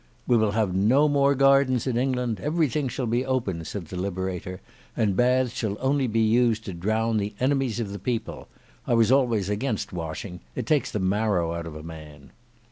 "We will have no more gardens in England; everything shall be open," said the Liberator, "and baths shall only be used to drown the enemies of the People. I was always against washing; it takes the marrow out of a man."